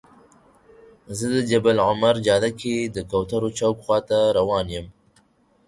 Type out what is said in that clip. زه د جبل العمر جاده کې د کوترو چوک خواته روان یم.